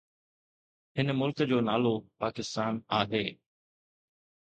هن ملڪ جو نالو پاڪستان آهي